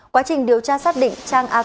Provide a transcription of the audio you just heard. quá trình điều tra xác định trang a cú